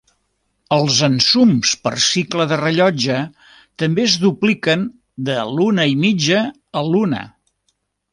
Els ensums per cicle de rellotge també es dupliquen de l'una i mitja a l'una.